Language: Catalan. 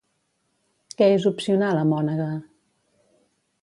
Què és opcional a Mònegue?